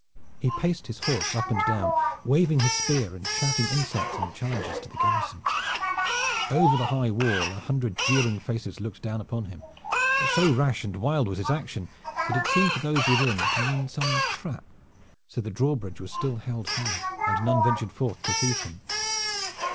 He paced his horse up and down, waving his spear, and shouting insults and challenges to the garrison. Over the high wall a hundred jeering faces looked down upon him. So rash and wild was his action that it seemed to those within to mean some trap, so the drawbridge was still held high and none ventured forth to seize him.